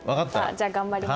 じゃあ頑張ります。